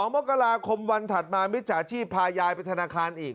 มกราคมวันถัดมามิจฉาชีพพายายไปธนาคารอีก